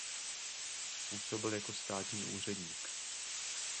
Působil jako státní úředník.